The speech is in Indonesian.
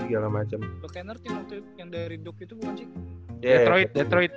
lo kennard yang dari duke itu bukan sih